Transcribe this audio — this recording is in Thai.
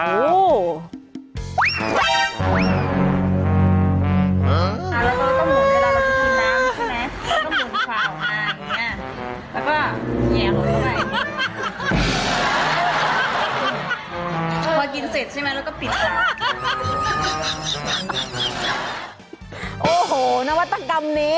แล้วก็ต้องหมุนให้เรามากินน้ำใช่ไหมต้องหมุนขวาของหน้าอย่างนี้